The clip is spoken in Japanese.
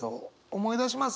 思い出します？